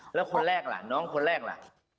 แล้วหน้องคนแรกล่ะ